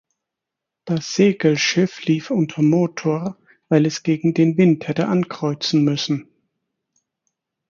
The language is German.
Das Segelschiff lief unter Motor, weil es gegen den Wind hätte ankreuzen müssen.